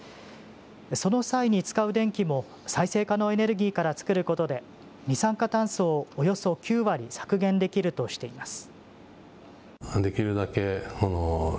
その際に使う電気も再生可能エネルギーから作ることで、二酸化炭素をおよそ９割削減できるとしています。